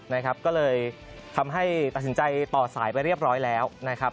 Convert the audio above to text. นะครับก็เลยทำให้ตัดสินใจต่อสายไปเรียบร้อยแล้วนะครับ